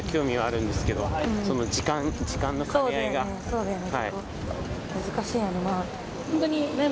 そうだよね